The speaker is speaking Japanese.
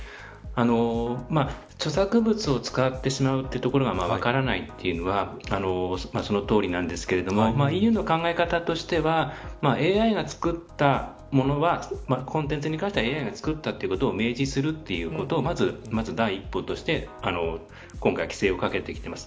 著作物を使ってしまうというところが分からないというのはそのとおりなんですけれどもＥＵの考え方としてはＡＩが作ったものはコンテンツに関してはＡＩが作ったということを明示することをまず第一歩として今回、規制をかけてきています。